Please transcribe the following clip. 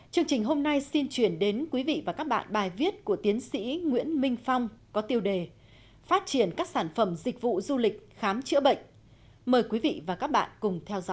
chương trình hôm nay xin chuyển đến quý vị và các bạn bài viết của tiến sĩ nguyễn minh phong có tiêu đề phát triển các sản phẩm dịch vụ du lịch khám chữa bệnh mời quý vị và các bạn